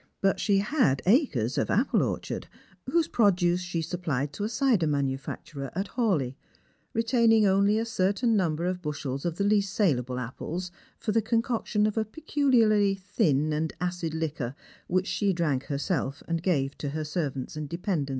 But she had acres of apple orchard, whose produce she supplied to a cider manufacturer at Hawleigh, retaining only a certain number of bushels of the least saleable apples for the concoction of a peculiarly thin and acid liquor whicn she drank hersel^ and (rave to her servants and dependents.